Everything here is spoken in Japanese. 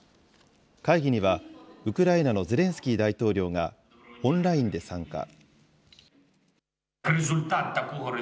会議には、ウクライナのゼレンスキー大統領がオンラインで参加。